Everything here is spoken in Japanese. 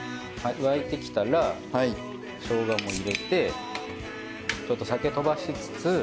沸いてきたらしょうがも入れてちょっと酒とばしつつ。